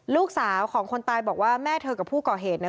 ลูกสาวของคนตายบอกว่าแม่เธอกับผู้ก่อเหตุเนี่ย